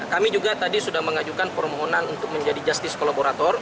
kami juga tadi sudah mengajukan permohonan untuk menjadi justice kolaborator